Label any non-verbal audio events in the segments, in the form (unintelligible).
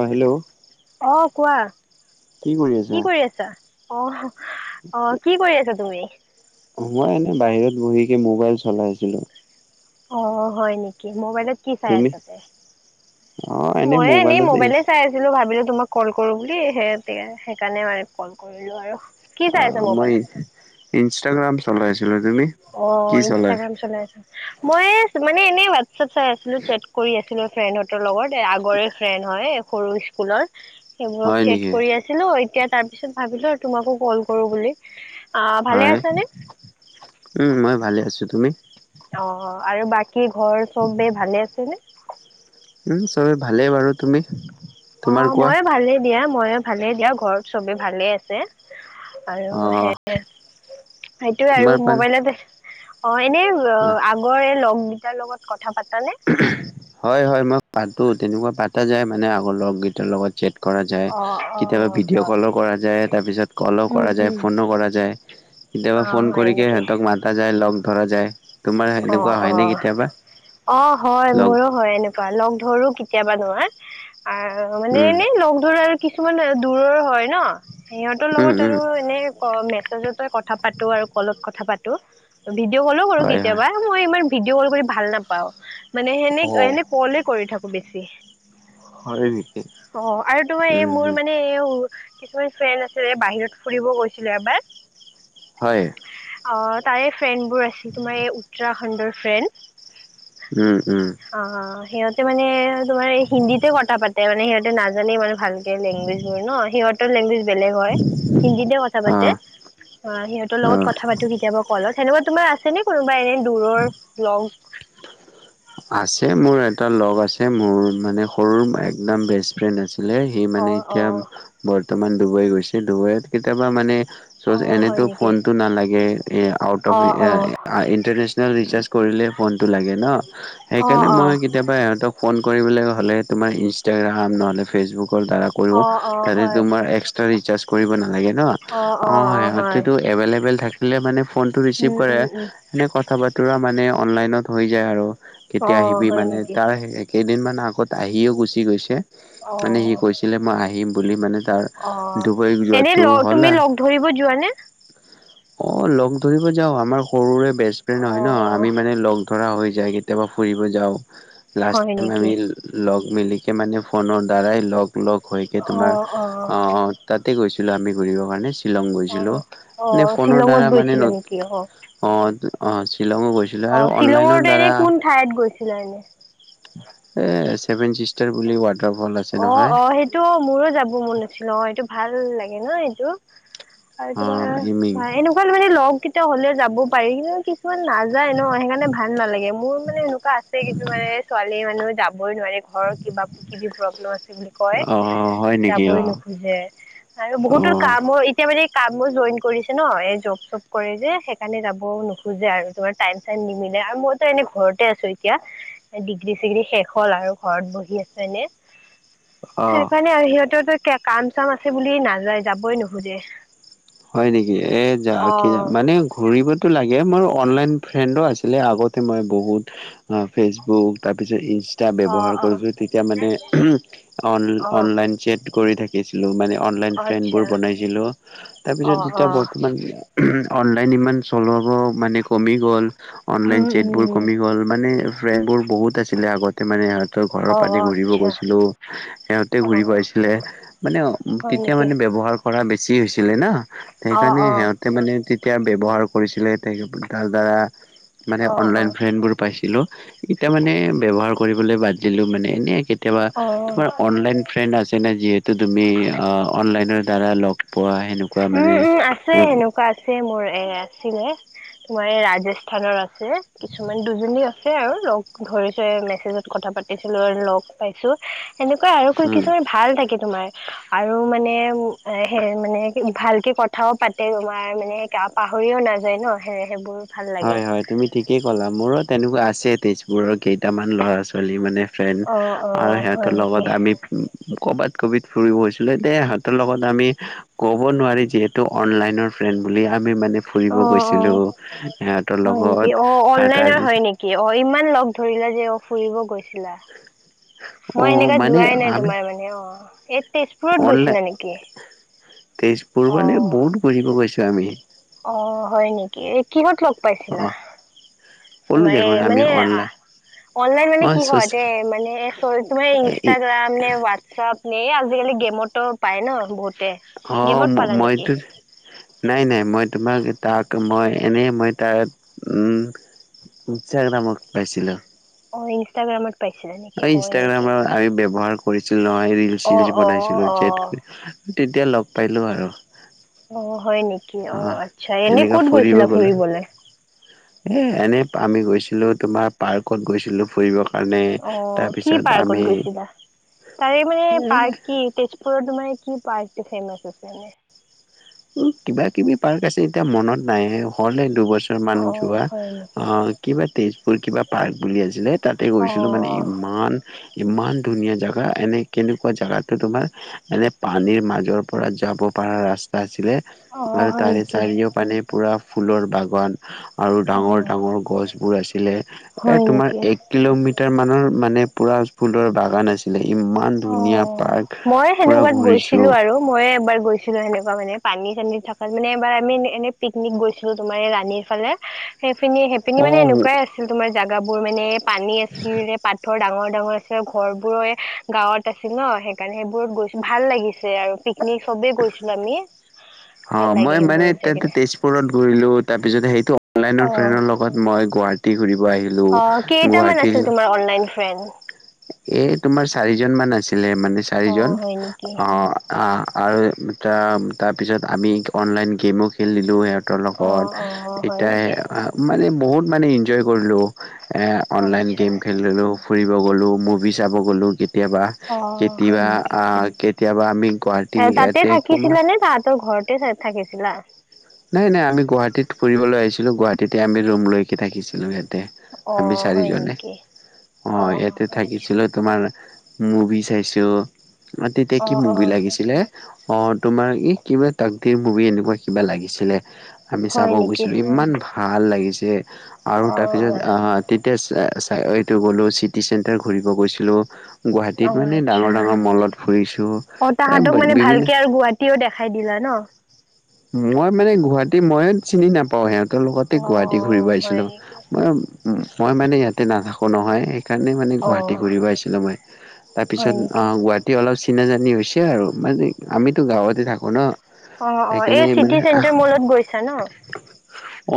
অ' hello? অ' কোৱা, কি কৰি আছা? অ', অ' কি কৰি আছা তুমি? মই এনেই বাহিৰত বহিকে মোবাইল চলাইছিলোঁ। অ' হয় নেকি মোবাইলত কি চাই আছ তুমি? তে? অ এনে ময়ে এনেই মোবাইলতে মোবাইলে চাই আছিলো ভাবিলো তোমাক কল কৰো বুল, সেই সেইকাৰণে কল কৰিলো আৰু। কি চাই আছা অ' মই মোবাইলত? ইনষ্টাগ্ৰাম চলাই আছিলো। তুমি? অ' ইনষ্টাগ্ৰাম চলাই আছোঁ। মই মানে এনেই হোৱাটছএপ চাই আছিলোঁ চেট কৰি আছিলোঁ ফ্ৰেণ্ডহঁতৰ লগত। আগৰে ফ্ৰেন হয় সৰু স্কুলৰ, হয় সেইবোৰক চেট নেকি? কৰি আছ আছিলোঁ এতিয়া তাৰ পিছত ভাবিলো তোমাকো কল কৰো বুলি, আ ভালে হয়। আছানে? মই ভালে আছোঁ, তুমি? অ' আৰু বাকী ঘৰ চব বেই ভালে আছে নে? উম চবেই ভালেই বাৰু, তুমি? তোমাৰ অ' কোৱা? ময়ে ভালে দিয়া ময়ে ভালে দিয়া ঘৰত চবে ভালে আছে। আৰু অ সে, সেইটোয়ে আৰু তোমাৰ পানে মোবাইলত অ' এনে আ লগৰে লগ গিটাৰ লগত কথা পাতানে? হয় হয় মই পাতো তেনেকুৱা পাতা যায় মানে আগৰ লগকেইটাৰ লগতে চেত কৰা যায়, অ' কেতিয়াবা অ' ভিডিঅ' হয়। কলো কৰা যায় তাৰপিছত কলো উম কৰা যায় উম ফোনো কৰা যায়। কেতিয়াবা অ' ফোন হয় কৰিকে নেকি? সিহঁতক মাতা যায় লগ ধৰা যায়। তোমাৰ এনেকুৱা অ', হয়নে অ', কেতিয়াবা অ' হয় লগ মোৰো হয় এনেকুৱা লগ ধৰো কেতিয়াবা নোৱাৰয় আহ মানে এনে লগ ধৰো আৰু কিছুমান দূৰৰ হয় ন সিহঁতৰ উম উম লগত উম আৰু এনে মেছেজতে কথা পা টো আৰু কলত কথা পাতো, ভিডিঅ কলো কৰো হয় হয় কেতিয়াবা মই ইমান ভিডিঅ কল কৰি ভাল নাপ পাও মানে সেনে অ সেনে কলে কৰি থাকো বেছি। হয় নেকি অ' আৰু তোমাৰ এই মোৰ উম মানে এ ও কিছুমান ফ্ৰেণ্ড আছিলে বাহিৰত ফুৰিব গৈছিলে এবাৰ। হয়। অ' তাৰে ফ্ৰেণ্ডবোৰ আছিল তোমাৰ এই উত্তৰাখণ্ডৰ ফ্ৰেণ্ড। উম উম। অ' সিহঁতে মানে তোমাৰ হিন্দীতে কথা পাতে মানে সিহতে নাজানে মানে ভালকে লেংগুৱেজ বোৰ ন সিহঁতৰ লেগেজ বেলেগ হয় হিন্দীতে কথা অ পাতে অ' সিহঁতৰ অ লগত কথা পাতো কেতিয়াবা কলত। তেনেকুৱা তোমাৰ আছে নে কোনোবা এনে দূৰৰ লগ? আছে মোৰ এটা লগ আছে মোৰ মানে সৰু একদম বেষ্ট ফ্ৰেণ্ড আছিলে সি অ মানে অ এতিয়া বৰ্তমান ডুবৈ গৈছে ডুবৈত কেতিয়াবা মানে অ হয় এনেতো নেকি ফোনতটো নালাগে এ আউট অফ অ অ (unintelligible) ইটাৰনেচনেল ৰিচাৰ্জ কৰিলে ফোনটো লাগে ন' অ সেইকাৰণে অ মই কেতিয়াবা ইহঁতক ফোন কৰিবলৈ হ'লে তোমাৰ ইনষ্টাগ্ৰাম নহ'লে ফেচবুকৰ দ্বাৰা কৰিব, অ অ তাতে হয় তোমাৰ এক্স ট্ৰা ৰিচাৰ্জ কৰিব নালাগে ন' অ' সিহঁতেতো এভেইলেবল থাকিলে মানে ফোনটো ৰিচিভ উম কৰে উম উম এনে কথা বতৰা মানে অনলাইনত হৈ যায় আৰু। অ কেতিয়া আহিবি হয় মানে নেকি তাৰ কেইদিনমান আগত আহিও গুচি গৈছে অ মানে সি কৈছিলে মই আহিম বুলি মানে অ তাৰ ডুবাইক এনে যোৱাটো লগ তুমি হ'লা লগ ধৰিব যোৱা নে? অ' লগ ধৰিব যাও আমাৰ সৰুৰে বেষ্ট ফ্ৰে অ হয় ন' আমি মানে লগ ধৰা হৈ যায় কেতিয়াবা ফুৰিব যাওঁ লাষ্ট হয় টাইম নেকি আমি লগ মিলিকে মানে ফোনৰ দ্বাৰাই লগ লগ হৈকে অ তোমাৰ অ তাতে গৈছিলোঁ আমি ঘূৰিবৰ কাৰণে শ্বিলং অ', গৈছিলোঁ নে অ', ফোনৰ শ্বিলঙত দ্বাৰা মানে গৈছিলা নেকি অ', অ', শ্বিলঙ গৈছোঁ। অ' শ্বিলঙৰ এনে কোন ঠাইত গৈছিলা এনে? এ ছেভেন চিষ্টাৰ বুলি ৱাটাৰফল আছে। অ', নহয় অ', সেইটো মোৰো যাব মন নাছিল অ' এইটো ভাল লাগে ন এইটো। আৰু অ তোমাৰ ইমিং এনেকুৱা মানে লগ কেইটায়া হলে যাব পাৰি কি কিছুমান নাযায় ন সেইকাৰণে ভাল নালাগে মোৰ মানে এনেকুৱা আছে কিছুমানে ছোৱালী মানুহ যাব বৈ নোৱাৰে ঘৰৰ কিবা কিবি প্ৰব আছে বুলি কয়, অ হয় নেকি যাবই অ নোখোজে আৰু অ বহুতো কামৰ এতিয়া মানে কামো জইন কৰিছে ন' এই জব চব কৰে যে সেইকাৰণে যাব নোখোজে আৰু তোমাৰ টাইম চাইম নিমিলে আৰু মইতো এনে ঘৰতে আছোঁ এতিয়া। ডিগ্ৰী চিগ্ৰী শেষ হ'ল আৰু ঘৰত বহি আছোঁ এনে। অ সেইকাৰণে আৰু সিহঁতেতো কাম চাম আছে বুলি নাযায় যাবই নোখোজে। হয় নেকি? এ, যা অ কি যাম মানে ঘূৰিব টো লাগে, মোৰ অনলাইন ফ্ৰেণ্ডো আছিলে, আগতে মই বহুত ফেচবুক তাৰপিছত ই টা অ ব্যবহাৰ অ কৰিছোঁ তেতিয়া মানে অ অন-অনলাইন চেট কৰি থাকি শিকছিলো মানে অনলাইন আচ্ছা ফ্ৰেন্ডবোৰ বনাইছিলোঁ অ তাৰপিছত অ যেতিয়া বৰ্তমান অনলাইন ইমান চলাব মানে কমি গ'ল অনলাইন উম চেটবোৰ উম কমি গ'ল, মানে ফ্ৰেণ্ডবোৰ বহুত আছিলে আগতে মানে আত তই ঘৰৰ অ পানী অ ঘূৰিব আচ্ছা গৈছিলোঁ, সিহঁতে অ ঘূৰিব আহিছিলে। মানে হয় তেতিয়া নেকি মানে ব্যৱহাৰ কৰা বেছি হৈছিলে না অ সেইকাৰণে অ সিহঁত তে মানে তেতিয়া ব্যৱহাৰ কৰিছিলে তাৰ দ্বাৰা মানে অ অনলাইন ফ্ৰেনবোৰ পাইছিলো, এতিয়া মানে ব্যৱহাৰ কৰিবলৈ বাদ দিলো মানে এনে কে কেতিয়াবা অ অ তোমাৰ অনলাইন ফ্ৰেণ্ড আছেনে, যিহেতু তুমি অনলাইনৰ দ্বাৰা লগ পোৱা সেনে উম, উম, আছে সেনেকুৱা আছে মোৰ এ, আছিলে। তোমাৰ এই ৰাজস্থানৰ আছে, কিছুমান দুজনী আছে আৰু লগ ধৰিছোঁ, মেছেজত কথা পাতি পাতিছিলোঁ আৰু লগ পাইছোঁ। সেনেকুৱা আৰু উম কিছুমান ভাল থাকে তোমাৰ আৰু মানে হে মানে ভালকে কথাও পাতে তোমাৰ মানে পাহৰিও নাযায় ন' সে-সেইবোৰ। হয় হয় তুমি ঠিকেই ক'লা, মোৰো তেনেকুৱা আছে তেজপুৰৰ কেইটামান ল'ৰা ছোৱালী মানে ফ্ৰেণ্ড অ', আৰু অ', হয় সিহঁতৰ নেকি লগত আমি কৰ'বাত কভিত ফুৰিব হৈছিলে দে হঁতৰ লগত আমি ক'ব নোৱাৰি যিহেতু অনলাইনৰ ফ্ৰেণ্ড বুলি আমি মানে ফুৰিব অ', অ', গৈছিলোঁ। সিহঁতৰ লগত আৰু তাৰপিছত কি অ' ইমান লগ ধৰিলা যে, অ' ফুৰিব গৈছিলা। (unintelligible) মই এনেকা মানে যোৱাই নাই আমি তোমাৰ মানে। অ' এই তেজপুৰত অনলাইন গৈছিলা নেকি? তেজপুৰ অ মানে বহুত ঘূৰিব গৈছোঁ আমি। অ' হয় নেকি? এই কিহত লগ অ পাইছিলা? ক'লো তোমাৰ এ, দেখোন আমি মানে অনলাইন অনলাইন মানে অ কি হয়, দে মানে চ তোমাৰ ইনষ্টাগ্ৰাম নে হ চাপ নে আজিকালি গেমতো পায় ন' বহুত। অ' মইতো নাই নাই মই তোমাক, তাক মই এনেই মই তাত ইষ্টাগ্ৰামত পাইছিলো। অ' ইনষ্টাগ্ৰামত পাইছিলা নেকি হয় নেকি ইনষ্টাগ্ৰাম আগি ব্যৱহাৰ কৰিছিলো নহয়, ৰীল অ চিলছ অ বনাইছিলো অ চেট কৰি তেতিয়া লগ পালো আৰু। অ' হয় নেকি? অ' আচ্ছা। এনে এনেকা ক'ত ফুৰিব গৈছিলা গলো ফুৰিবলে? এ, এনেই আমি গৈছিলোঁ তোমাৰ পাৰ্কত গৈছিলোঁ ফুৰিব। অ' কি পাৰ্কত গৈছিলা, তাৰে মানে এ পাৰ্ক কি? তেজপুৰত তোমাৰ এ, কি পাৰ্ক ফেমাচ আছে এনে? উম, কিবা কিবি পাৰ্ক আছে, এতিয়া মনত নাই, হ'লে দুবছৰ মান অ', যোৱা। হয় নেকি? অ' কিবা তেজপুৰ কিবা পাৰ্ক বুলি আছিলে। তাতে গৈছিলোঁ, মানে অ', ইমান ইমান ধুনীয়া জেগা, এনে কেনেকুৱা জোগাতো তোমাৰ এনে পানীৰ মাজৰ পৰা যাব পাৰা ৰাস্তা আছিলে অ', আৰু হয় তাৰে নেকি? চাৰিও পানে পোৰা ফুলৰ বাগান। আৰু ডাঙৰ অ', ডাঙৰ গছবোৰ আছিলে এ হয় তোমাৰ নেকি? এক কিলোমিটাৰ মানৰ মানে পোৰা ফুলৰ বাগান আছিলে ইমান। ইমান ধুনীয়া অ', পাৰ্ক পোৰা ঘূৰিছোঁ। মইয়ে এবাৰ গৈছিলো সেনেকুৱা মানে পানী চানীত থকাত মানে এবাৰ আমি এনে পিকনিক গৈছিলোঁ। তোমাৰ এই ৰাণীৰ ফালে। সেইপিনি সেই পিনি মানে অ' এনেকুৱাই আছিল, তোমাৰ জোগাবোৰ মানে পানী আছিল, পাথৰ ডাঙৰ ডাঙৰ আছিল। ঘৰ বোৰৰে গাঁৱত আছিল ন সেইকাৰণে সেইবোৰত গৈছোঁ ভাল লাগিছে আৰু। চবেই গৈছিলোঁ আমি। ভাল অ' লাগে মই মানে সেইবোৰত যাই কিনে। তেজপুৰত ঘূৰিলোঁ। তাৰপিছত সেইটো অনলাইনৰ অ', ফ্ৰেনৰ লগত। মই গুৱাহাটীৰ ঘূৰিব আহিলোঁ, অ', কেইটামান আছিল গুৱাহাটীৰ তোমাৰ অনলাইন ফ্ৰেন এ তোমাৰ চাৰিজন মান আছিলে মানে অ', চাৰিজন হয় নেকি? অ' আৰু তাৰ তাৰপিছত আমি অনলাইন গেমো খেলিলোঁ সিহঁত। ৰ লগত অ', অ', হয় নেকি? এতিয়াৰ মানে বহুত মানে ইনঞ্চয় কৰিলোঁ। অনলাইন আচ্ছা, গেম খেলিলোঁ, ফুৰিব গ'লোঁ। মুভি চাব গ'লো কেতিয়াবা। অ', হয় কেতিয়াবা নেকি? অ' কেতিয়াবা আমি গুৱাহাটী ইয়াতে কমাৰ। এই তাহঁতৰ ঘৰত। কি চাই চাই গৈছিলা। নাই, নাই, আমি গুৱাহাটীত ফুৰিবলৈ আহিছিলোঁ। গুৱাহাটীতে আমি ৰুম লৈকে থাকিছিলোঁ সিহঁতে। আমি অ', হয় চাৰিজনে নেকি? অ' ইয়াতে থাকিছিলোঁ। তোমাৰ মুভি চাইছোঁ, অ' তেতিয়া কি মুভি লাগিছিলে। অ' তোমাৰ ই কিবা তাকদিৰ মুভি এনেকুৱা কিবা লাগিছিলে। আমি চাব হয় নেকি? গৈছিলোঁ। ইমান ভাল লাগিছে আৰু তাৰপিছত অ', আহ। তেতিয়া চে চে এইটো গলোঁ চিটি চেণ্টাৰ ঘুৰিব গৈছিলো। গুৱাহাটীত অ', মানে আচ্ছা। ডাঙৰ ডাঙৰ মলত ফুৰিছোঁ, তাৰ বিভিন্ন তেওঁ দেখাই দিলে ন। মই মানে গুৱাহাটী ময়ো চিনি নাপাওঁ। সিহঁতৰ লগতে অ', গুৱাহাটী ঘূৰিব অ', হয় আহিছিলোঁ। নেকি? মই উম, মই মানে ইয়াতে নাথাকো নহয়। সিহঁতে মানে গুৱাহাটী অ', ঘূৰিব আহিছিলোঁ। মই হয় তাৰপিছত নেকি? গুৱাহাটী এতিয়া অলপ চিনাজানি হৈছে আৰু মানে আমিতো গাঁৱতে থাকোঁ ন। অ' অ' সেইকাৰণে এই মানে চিটি চেণ্টাৰ মলত গৈছা ন।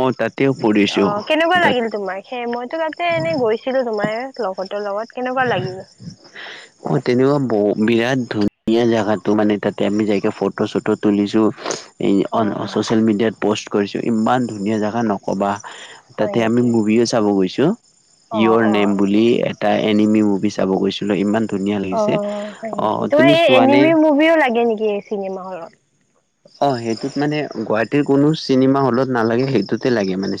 অ তাতেও ফুৰিছো অ' কেনেকুৱা তাত লাগিল তোমাৰ সে মইতো তাতে এনে গৈছোঁ। ছিলো তোমাৰ লগৰৰ লগত কেনেকুৱা লাগিল। (unintelligible) অ' তেনেকুৱা ব বিৰাট ধুনীয়া জোগাতটো মানে তাতে আমি যাইকে ফটো চটো তুলিছোঁ। এই অ অন ছ'চিয়েল মিডিয়াত প'ষ্ট কৰিছোঁ। ইমান ধুনীয়া জেগা নক'বা। হয় তাতে আমি নেকি মুভিও চাব গৈছোঁ। অ য়ৰ অ নেম বুলি আচ্ছা এটা এনিমি মুভি চাব গৈছোঁ। লৈ ইমান ধুনীয়া। অ' লাগিছে। হয় অ নেকি। তোমাৰ তুমি এই চোৱানে? এনিমি মুভিও লাগে নেকি এই চিনেমা হলত। অ' সেইটোত মানে গুৱাহাটীৰ কোনো চিনেমা হলত নালাগে সেইটোতে লাগে মানে।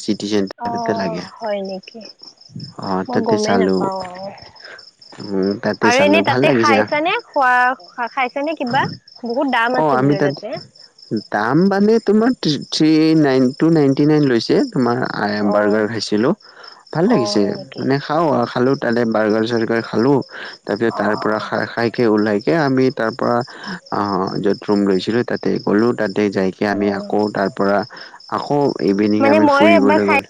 অ (unintelligible) লাগে হয় নেকি অ' মই তাতে গমেই চালো। নাপাও উম, তাতে আৰু এনেই চালোঁ ভাল তাতে লাগিছে। খাইছানে খোৱা খা খাইছে নে কিবা বহুত দাম অ আছে আমি বোলে তাত তাতে। দাম মানে তোমাৰ three nineteen two nineteen nine লৈছে তোমাৰ। আই এম অ বাৰ্গাৰ খাইছিলোঁ ভাল অ লাগিছে হয় নেকি মানে। খাওঁ খালো তাতে বাৰ্গাৰ চাৰ্গাৰ খালোঁ। তাকে অ তাৰ অ পৰা খাই খাই কে ওলাইকে আমি। তাৰ পৰা য'ত ৰুম লৈছিলোঁ। তাতে গ'লোঁ তাতে যাইকৈ অ আমি আকৌ তাৰ পৰা আকৌ ইভিনিং মানে আমি মই এবাৰ ফুৰিবলৈ খাই গ'লো।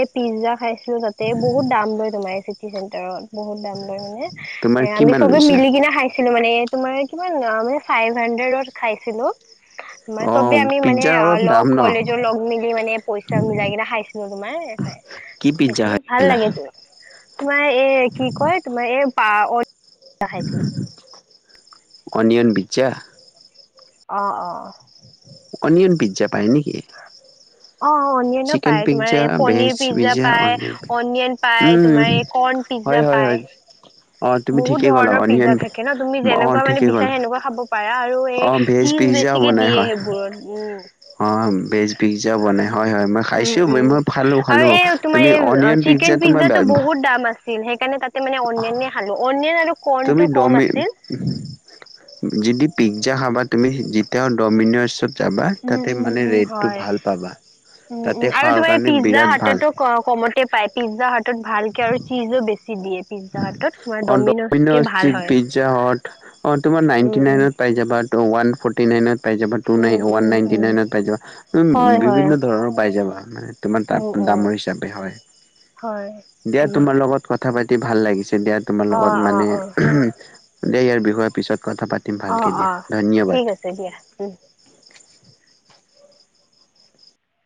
এই পিজ্জা খাই তাতে বহুত দাম লয় তোমাৰ চিটি চেন্টাৰত বহুত দাম লয় মানে এ তোমাৰ আমি কিমান চবে লৈছিলে মিলি কিনে খাইছিলো মানে তোমাৰ কিমান মানে ফাইভ হানড্ৰেডত খাইছিলো। অ চবে আমি মানে পিজ্জাৰ অলপ লগ দাম ন কলেজৰ লগ মিলি মানে পইচা মিলাই কিনে খাইছিলো তোমাৰ (unintelligible) কি পিজ্জা সেইটো ভাল খাইছিলা লাগে তু তোমাৰ এ কি কয় তোমাৰ এই পা অনিয়ন খাইছিলো অনিয়ন পিজ্জা? অ', অ'। অনিয়ন পিজ্জা পায় নেকি? অ' অনিয়ন অনিয়ন চিকেন পায় তোমাৰ পিজ্জা এই ভেজ পনিৰ পিজ্জা পায় অনিয়ন অনিয়ন পায় উম তোমাৰ এই কৰ্ণ হয় পিজ্জা হয় হয় পায়। অ তুমি বহুত ঠিকেই ক'লা ধৰণৰ পিজ্জা অনিয়ন থাকে ন' তুমি অ যেনেকুৱা মানে ঠিকেই বিচাৰা ক'লা সেনেকুৱা খাব পাৰা আৰু অ এই ভেজ চিজ পিজ্জাও বেছিকে বনাই দিয়ে হয় সেইবোৰত উম। অ', বেজ পিজ্জাও বনাই হয়, হয় মই উম খাইছো মই উম খালো আৰু খালো। এই তোমাৰ তুমি এই অননিয়ন পিজ্জা তোমাৰ ছিল সেইকাৰণে তাতে মানে অনিয়নে খালো অনিয়ন আৰু তুমি কৰ্ণটো কম ডমি আছিল। যদি পিজ্জা খাবা তুমি যেতিয়া দহমিনচত যাবা উম তাতে উম মানে উম ৰেটটো হয় ভাল পাবা তাতে খোৱাৰ কাৰণে বিৰাট ভাল। অ', কমতে পায় পিজ্জা হাতত ভালকে আৰু চীজো বেছি দিয়ে পিজ্জা হাতত তোমাৰ অ', ডমিন'জকে ভাল দ'অমিনত হয়। পিজ্জা হত অ', তোমাৰ নাইনটি উম উম নাইনত পাই যাবা ৱান ফ'ৰ্টি নাইনত পাই যাব টু নাই um one um ninety um নাইনত পাই যাবা হয় হয় বিভিন্ন ধৰণৰ পাই যাবা মানে তোমাৰ উম উম দামৰ হিচাপে হয় হয় দিয়া উম। তোমাৰ লগত কথা পাতি অতি ভাল লাগিছে দিয়া তোমাৰ লগত অঁ অঁ মানে অঁ দিয়া ইয়াৰ বিষয়ে পিছত কথা পাতি অ', অ', ঠিক আছে দিয়া। উম।